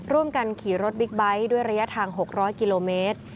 ร่วมกันขี่รถบิ๊กไบท์ด้วยระยะทาง๖๐๐กิโลเมตร